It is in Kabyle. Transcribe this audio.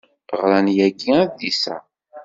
Ɣran yagi adlis-a.